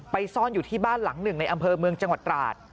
ซ่อนอยู่ที่บ้านหลังหนึ่งในอำเภอเมืองจังหวัดตราด